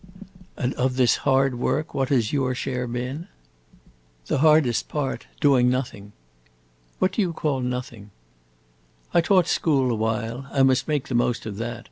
"And of this hard work what has your share been?" "The hardest part: doing nothing." "What do you call nothing?" "I taught school a while: I must make the most of that.